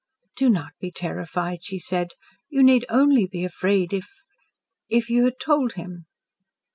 "Do not be terrified," she said. "You need only be afraid if if you had told him."